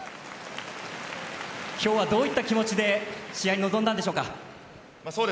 今日はどういった気持ちで試合に臨んだんでしょうか。